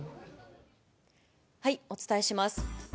お伝えします。